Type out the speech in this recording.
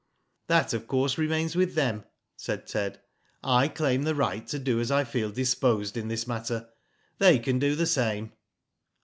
That, of course, remains with them," said Ted. "I claim the right to do as I feel disposed in this matter. They can do the same."